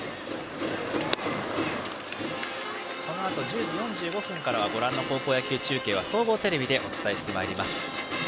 このあと１０時４５からご覧の高校野球中継は総合テレビでお伝えしてまいります。